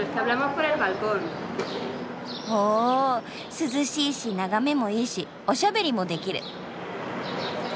涼しいし眺めもいいしおしゃべりもできる。